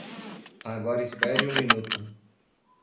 Agora espere um minuto!